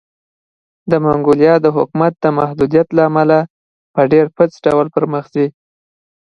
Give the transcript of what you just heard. د منګولیا د حکومت د محدودیت له امله په ډېرپڅ ډول پرمخ ځي.